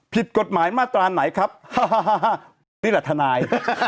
ผิดกฎหมายมาตราไหนครับผมนี่แหละทนาย